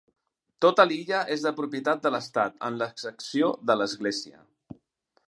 Tota l'illa és de propietat de l'Estat, amb l'excepció de l'església.